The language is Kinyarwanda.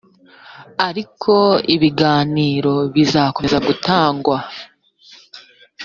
ariko ibiganiro bizakomeza gutangwa